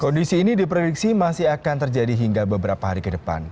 kondisi ini diprediksi masih akan terjadi hingga beberapa hari ke depan